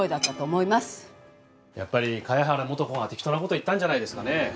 やっぱり茅原素子が適当な事を言ったんじゃないですかね。